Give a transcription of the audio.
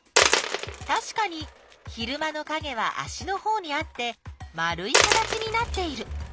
たしかに昼間のかげは足のほうにあって丸い形になっている。